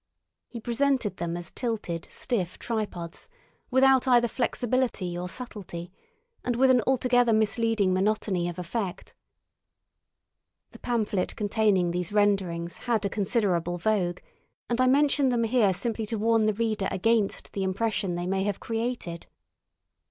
He presented them as tilted, stiff tripods, without either flexibility or subtlety, and with an altogether misleading monotony of effect. The pamphlet containing these renderings had a considerable vogue, and I mention them here simply to warn the reader against the impression they may have created.